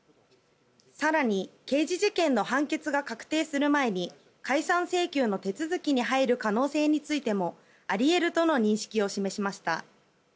更に、刑事事件の判決が確定する前に解散請求の手続きに入る可能性についてもあり得るとの認識を示しました。